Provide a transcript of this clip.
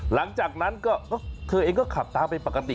หลังจากนั้นก็เธอเองก็ขับตามไปปกติ